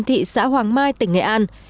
thị xã hoàng mai tỉnh nghệ an